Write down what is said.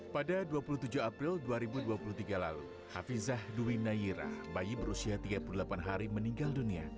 pada dua puluh tujuh april dua ribu dua puluh tiga lalu hafizah dwi nayirah bayi berusia tiga puluh delapan hari meninggal dunia